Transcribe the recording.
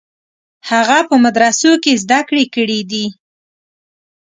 هغه په مدرسو کې زده کړې کړې دي.